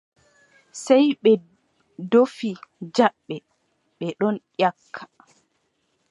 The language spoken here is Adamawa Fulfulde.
Sey ɓe ɗoofi jabbe, ɓe ɗon nyakka.